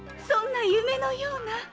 そんな夢のような！